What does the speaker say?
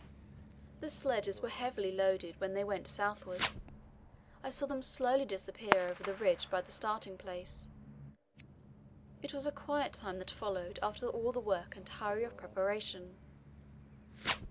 The sledges were heavily loaded when they went southward. I saw them slowly disappear over the ridge by the starting place. It was a quiet time that followed after all the work and hurry of preparation.